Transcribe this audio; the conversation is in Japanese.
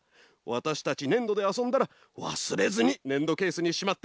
わたしたちねんどであそんだらわすれずにねんどケースにしまっておくれよ。